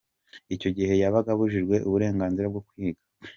Icyo gihe yabaga abujijwe uburenganzira bwo kwiga.